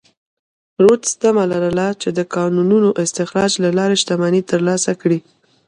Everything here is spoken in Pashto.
رودز تمه لرله چې د کانونو استخراج له لارې شتمنۍ ترلاسه کړي.